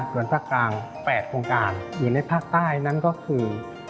ส่วนภาคกลาง๘โครงการอยู่ในภาคใต้นั้นก็คือ